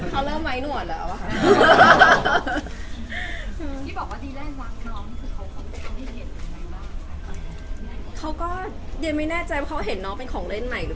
เขาเริ่มไม้หนวดแล้ว